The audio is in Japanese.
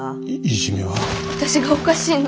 私がおかしいの。